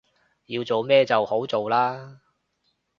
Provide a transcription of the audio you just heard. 要做咩就好做喇